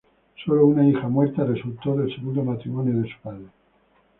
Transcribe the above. Sólo una hija muerta resultó del segundo matrimonio de su padre.